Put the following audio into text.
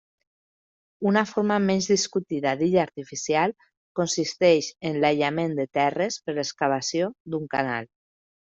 Una forma menys discutida d'illa artificial consisteix en l'aïllament de terres per l'excavació d'un canal.